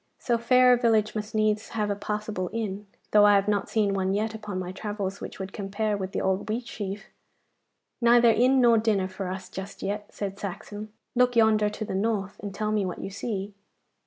So fair a village must needs have a passable inn, though I have not seen one yet upon my travels which would compare with the old Wheatsheaf.' 'Neither inn nor dinner for us just yet,' said Saxon. 'Look yonder to the north, and tell me what you see.